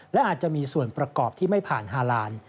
และอาจจะมีส่วนประกอบที่ไม่ผ่านฮาลาน